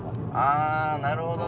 ああなるほどな。